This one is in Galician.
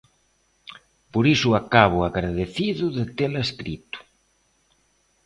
Por iso acabo agradecido de tela escrito.